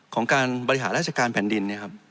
ของการบริหารราชการแผ่นดิน